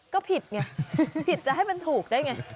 ก็ผิดไงผิดจะให้มันถูกได้ไง